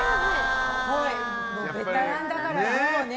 ベテランだからもうね。